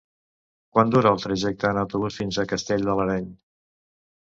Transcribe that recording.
Quant dura el trajecte en autobús fins a Castell de l'Areny?